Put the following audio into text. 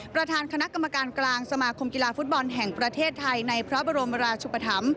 ประธานคณะกรรมการกลางสมาคมกีฬาฟุตบอลแห่งประเทศไทยในพระบรมราชุปธรรม